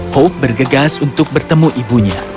hope bergegas untuk bertemu ibunya